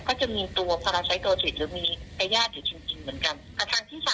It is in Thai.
ก็จะมีตัวพาราไซโกศิษย์หรือมีพญาติอยู่จริงเหมือนกัน